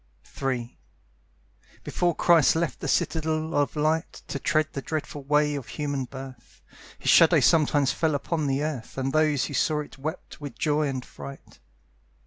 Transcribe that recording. III Before Christ left the Citadel of Light, To tread the dreadful way of human birth, His shadow sometimes fell upon the earth And those who saw it wept with joy and fright.